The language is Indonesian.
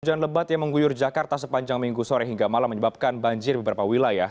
hujan lebat yang mengguyur jakarta sepanjang minggu sore hingga malam menyebabkan banjir beberapa wilayah